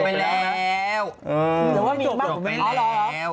จบไปแล้ว